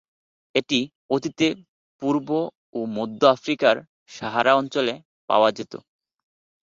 এটি অতীতে পূর্ব ও মধ্য আফ্রিকার সাহারা অঞ্চলে পাওয়া যেত।